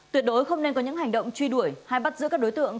tuyệt đối không nên có những hành động truy đuổi hay bắt giữ các đối tượng